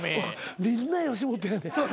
みんな吉本やねん。